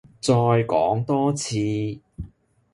再講多次？